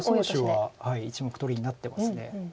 予想手は１目取りになってます。